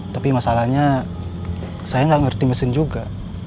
tapi masalahnya saya nggak ngerti mesin juga